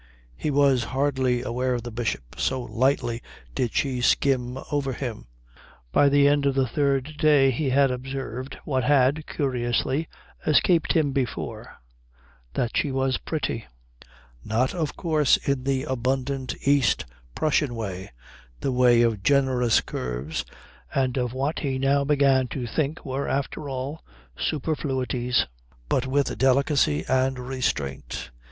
He was hardly aware of the Bishop, so lightly did she skim over him. By the end of the third day he had observed what had, curiously, escaped him before, that she was pretty. Not of course in the abundant East Prussian way, the way of generous curves and of what he now began to think were after all superfluities, but with delicacy and restraint.